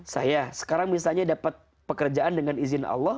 saya sekarang misalnya dapat pekerjaan dengan izin allah